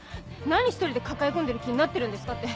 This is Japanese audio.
「何一人で抱え込んでる気になってるんですか」